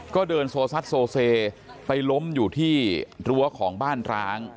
ก็เดินโซซัดโซเซไปล้มอยู่ที่รั้วของบ้านร้าง